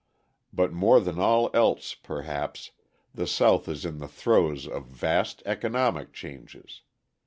But more than all else, perhaps, the South is in the throes of vast economic changes.